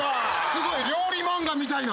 すごい。料理漫画みたいな。